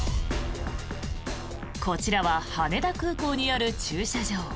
こちらは羽田空港にある駐車場。